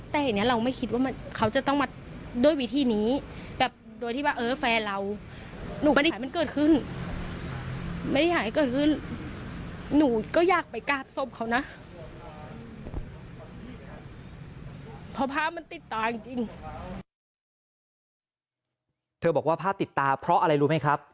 เธอบอกว่าภาพติดตาเพราะอะไรรู้ไหมครับ